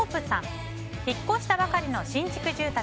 引っ越したばかりの新築住宅。